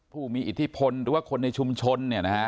ผู้มีอิทธิพลหรือว่าคนในชุมชน